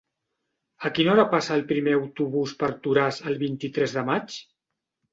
A quina hora passa el primer autobús per Toràs el vint-i-tres de maig?